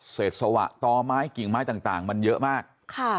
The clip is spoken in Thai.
สวะต่อไม้กิ่งไม้ต่างมันเยอะมาก